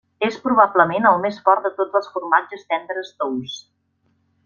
És probablement el més fort de tots els formatges tendres tous.